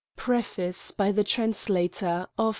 PREFACE BY THE TRANSLATOR, OF M.